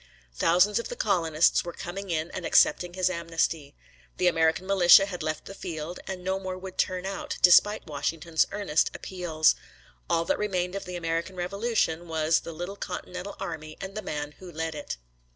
Thousands of the colonists were coming in and accepting his amnesty. The American militia had left the field, and no more would turn out, despite Washington's earnest appeals. All that remained of the American Revolution was the little Continental army and the man who led it.